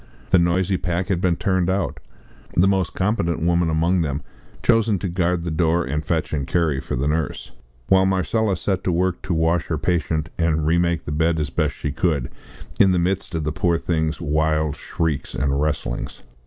The noisy pack had been turned out; the most competent woman among them chosen to guard the door and fetch and carry for the nurse; while Marcella set to work to wash her patient and remake the bed as best she could, in the midst of the poor thing's wild shrieks and wrestlings.